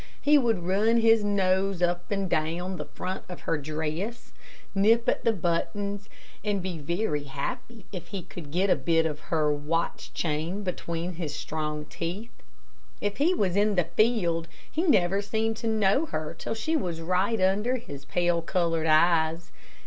He would run his nose up and down the front of her dress, nip at the buttons, and be very happy if he could get a bit of her watch chain between his strong teeth. If he was in the field he never seemed to know her till she was right under his pale colored eyes.